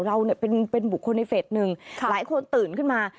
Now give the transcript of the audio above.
เราเนี่ยเป็นบุคคลในเฟส๑หลายคนตื่นขึ้นมา